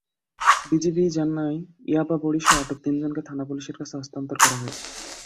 BGB জানায়, ইয়াবা বড়িসহ আটক তিনজনকে থানা-পুলিশের কাছে হস্তান্তর করা হয়েছে।